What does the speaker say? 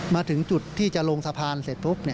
มาถึงจุดที่จะลงสะพานเสร็จปุ๊บ